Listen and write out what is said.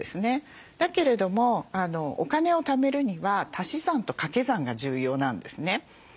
だけれどもお金をためるには足し算とかけ算が重要なんですね。